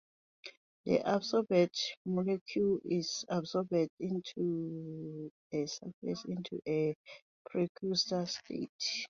The absorbed molecule is adsorbed onto a surface into a precursor state.